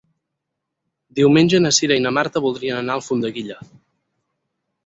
Diumenge na Cira i na Marta voldrien anar a Alfondeguilla.